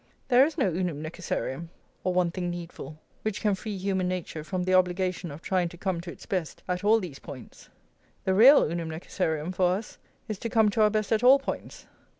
There is no unum necessarium, or one thing needful, which can free human nature from the obligation of trying to come to its best at all these points. The real unum necessarium for us is to come to our best at all points.